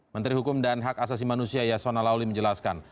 menteri hukum dan hak asasi manusia yasona lawli menjelaskan